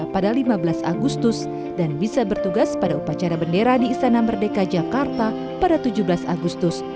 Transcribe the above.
pada lima belas agustus dan bisa bertugas pada upacara bendera di istana merdeka jakarta pada tujuh belas agustus